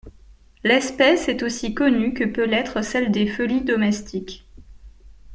L’espèce est aussi connue que peut l’être celle des felis domestiques.